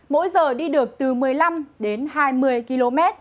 mỗi giờ đi được từ một mươi năm đến hai mươi km